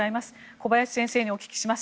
小林先生にお聞きします。